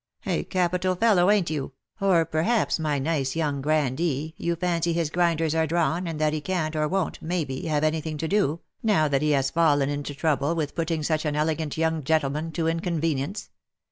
A capital fellow, ain't you ? or, perhaps, my nice young grandee, you fancy his grinders are drawn, and that he can't, or won't, maybe, have any thing to do, now that he has fallen into trouble, with putting such an elegant young gentleman to inconvenience